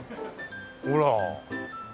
ほら。